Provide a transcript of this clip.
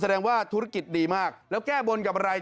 แสดงว่าธุรกิจดีมากแล้วแก้บนกับอะไร